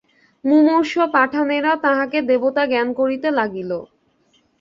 মুমূর্ষু পাঠানেরা তাঁহাকে দেবতা জ্ঞান করিতে লাগিল।